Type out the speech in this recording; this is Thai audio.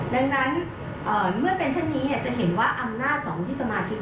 ดังนั้นเมื่อเป็นเช่นนี้จะเห็นว่าอำนาจของที่สมาชิก